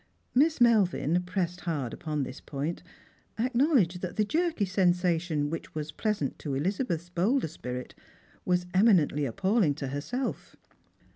Miss Melvin, pressed hard upon this point, acknowledged that the jerky sensation which was pleasant to Elizi..beth's bolder spirit was eminently appalling to herself.